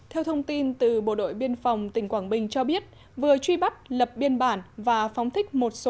theo thông tin từ bộ đội biên phòng tỉnh quảng bình cho biết vừa truy bắt lập biên bản và phóng thích một số